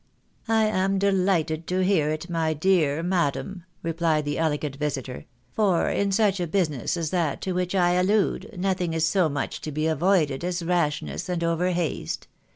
" I am delighted to hear it, my dear madam," replied the elegant visitor ; "for in such a business as that to which I allude, nothing is so much to be avoided a~s rashness and over haste.